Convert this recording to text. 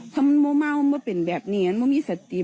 ถ้ามันเม่ามันเป็นแบบนี้มันไม่มีสติ